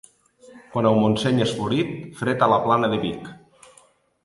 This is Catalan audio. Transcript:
Quan el Montseny és florit, fred a la Plana de Vic.